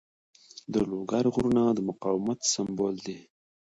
د لوګر غرونه د مقاومت سمبول دي.